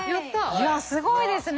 いやすごいですね。